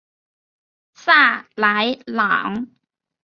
萨莱朗。